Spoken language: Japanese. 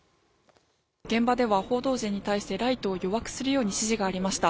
現場では報道陣に対してライトを弱くするように指示されました。